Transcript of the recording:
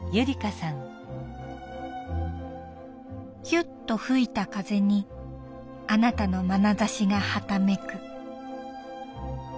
「ひゅっと吹いた風にあなたのまなざしがはためく」。